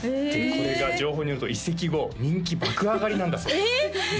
これが情報によると移籍後人気爆上がりなんだそうですええ！